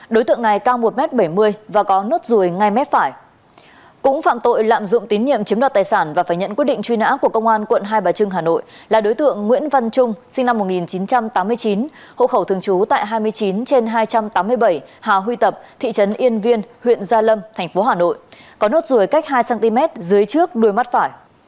đối tượng nguyễn văn trung sinh năm một nghìn chín trăm tám mươi chín hộ khẩu thường trú tại hai mươi chín trên hai trăm tám mươi bảy hà huy tập thị trấn yên viên huyện gia lâm tp hà nội có nốt rùi cách hai cm dưới trước đuôi mắt phải